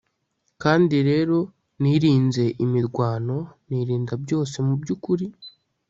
kandi rero, nirinze imirwano, nirinda byose mubyukuri